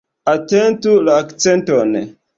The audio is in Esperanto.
Atentu la akcenton!